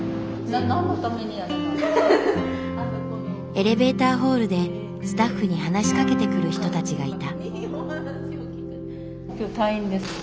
エレベーターホールでスタッフに話しかけてくる人たちがいた。